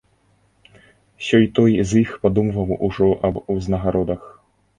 Сёй-той з іх падумваў ужо аб узнагародах.